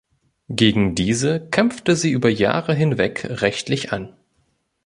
Gegen diese kämpfte sie über Jahre hinweg rechtlich an.